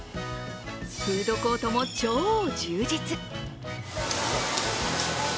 フードコートも超充実。